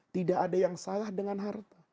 tidak ada yang salah dengan harta